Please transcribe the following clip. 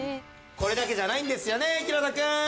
これだけじゃないんですよねひろとくん！